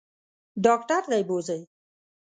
ډاکټر ته یې بوزئ.